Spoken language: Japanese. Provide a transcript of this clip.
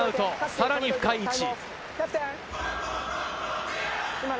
さらに深い位置。